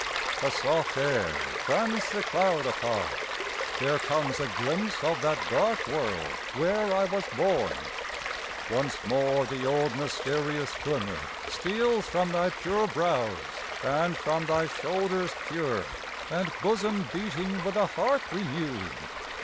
A soft air fans the cloud apart; there comes A glimpse of that dark world where I was born. Once more the old mysterious glimmer steals From thy pure brows, and from thy shoulders pure, And bosom beating with a heart renew'd.